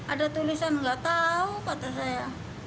ada tulisan enggak tahu kata saya